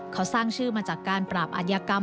เขาสร้างชื่อมาจากการปราบอัธยกรรม